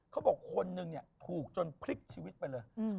คนหนึ่งถูกจนพริกชีวิตไปเลย